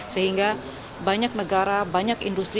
sehingga banyak negara banyak industri